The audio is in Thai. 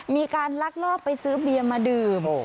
มีการลักลอบไปซื้อเบียนมาดื่ม